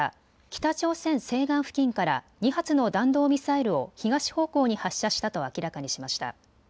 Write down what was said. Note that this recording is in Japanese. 北朝鮮西岸付近から２発の弾道ミサイルを東方向に発射したと明らかにしました。